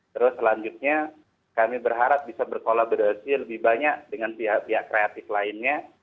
terus selanjutnya kami berharap bisa berkolaborasi lebih banyak dengan pihak pihak kreatif lainnya